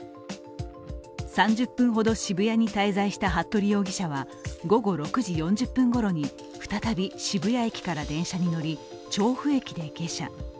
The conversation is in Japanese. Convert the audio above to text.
３０分ほど渋谷に滞在した服部容疑者は午後６時４０分ごろに再び渋谷駅から電車に乗り調布駅で下車。